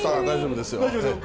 大丈夫ですか？